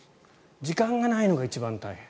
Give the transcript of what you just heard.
時間がないのが一番大変。